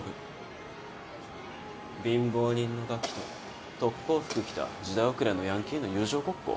貧乏人のガキと特攻服着た時代遅れのヤンキーの友情ごっこ？